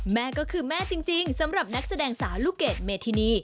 แม่ก็คือแม่จริงสำหรับนักแสดงสาวลูกเกดเมธินี